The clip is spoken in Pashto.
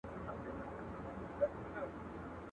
چي خداى ئې ورکوي، بټل ئې يار دئ.